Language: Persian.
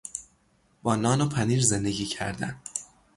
با نان و پنیر زندگی کردن